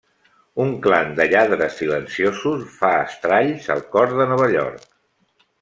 Un clan de lladres silenciosos fa estralls al cor de Nova York.